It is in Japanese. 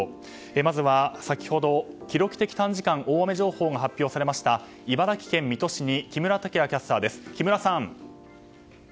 まずは先ほど記録的短時間大雨情報が発表されました茨城県水戸市に木村拓也キャスターです。